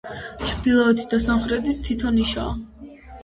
ჩრდილოეთით და სამხრეთით თითო ნიშაა.